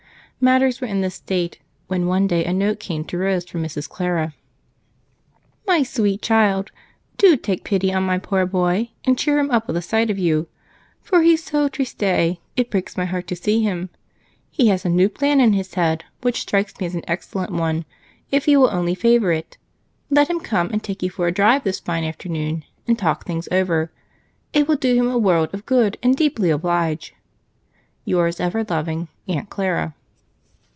Matters were in this state when one day a note came to Rose from Mrs. Clara. MY SWEET CHILD, Do take pity on my poor boy and cheer him up with a sight of you, for he is so triste it breaks my heart to see him. He has a new plan in his head, which strikes me as an excellent one, if you will only favor it. Let him come and take you for a drive this fine afternoon and talk things over. It will do him a world of good and deeply oblige Your ever loving AUNT CLARA.